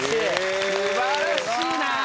素晴らしいな！